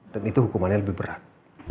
dan itu hukumannya lebih berat